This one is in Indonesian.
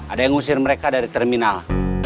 ada yang ngusir mereka dari terminal